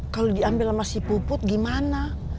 kalo diambil masih puput gimana